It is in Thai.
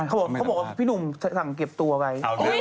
เขาบอกว่าพี่หนุ่มสั่งเก็บตัวไว้